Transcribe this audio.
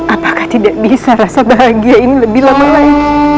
apakah tidak bisa rasa bahagia ini lebih lama lagi